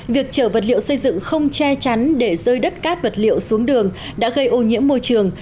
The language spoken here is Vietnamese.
việc chở vật liệu xây dựng không che chắn để rơi đất cát vật liệu xuống đường đã gây ô nhiễm môi trường